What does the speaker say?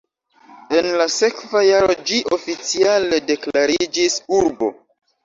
En la sekva jaro ĝi oficiale deklariĝis urbo.